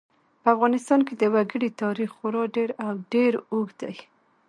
په افغانستان کې د وګړي تاریخ خورا ډېر او ډېر اوږد دی.